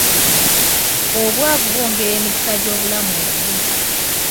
Obwavu bwongera emikisa gy'obulamu obubi..